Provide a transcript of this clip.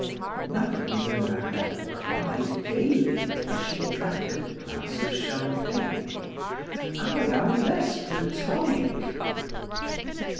'" Mme. de Marelle cried gaily as she drank a glass of champagne: "I am less Platonic."